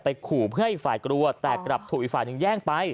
ขู่เพื่อให้อีกฝ่ายกลัวแต่กลับถูกอีกฝ่ายหนึ่งแย่งไป